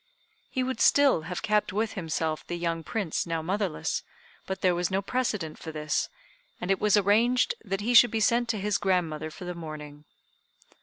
He would still have kept with himself the young Prince now motherless, but there was no precedent for this, and it was arranged that he should be sent to his grandmother for the mourning.